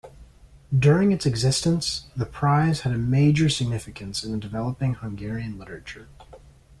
During its existence, the prize had a major significance in developing Hungarian literature.